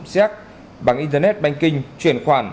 giác bằng internet banh kinh chuyển khoản